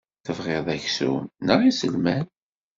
Tebɣiḍ aksum neɣ iselman?